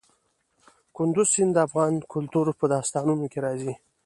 کندز سیند د افغان کلتور په داستانونو کې راځي.